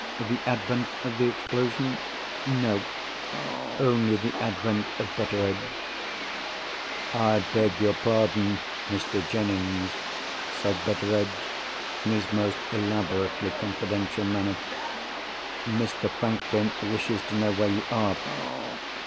The advent of the explosion? No: only the advent of Betteredge. "I beg your pardon, Mr. Jennings," said Betteredge, in his most elaborately confidential manner. "Mr. Franklin wishes to know where you are.